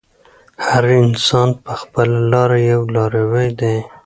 هر انسان په خپله لاره یو لاروی دی.